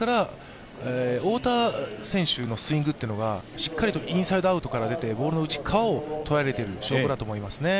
太田選手のスイングというのがしっかりとインサイドアウトから出てボールの内側を捉えている証拠だと思いますね。